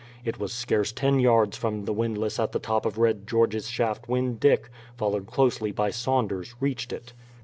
It was scarce ten yards from the windlass at the top of Red George's shaft when Dick, followed closely by Saunders, reached it.